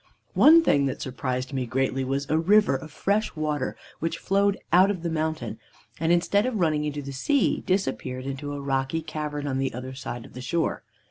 "One thing that surprised me greatly was a river of fresh water which flowed out of the mountain, and, instead of running into the sea, disappeared into a rocky cavern on the other side of the shore.